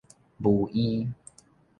巫醫